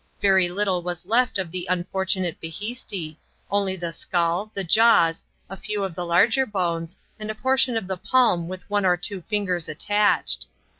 Very little was left of the unfortunate bhisti only the skull, the jaws, a few of the larger bones and a portion of the palm with one or two fingers attached.